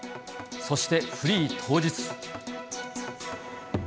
そしてフリー当日。